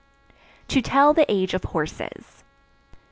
To Tell the Age of Horses.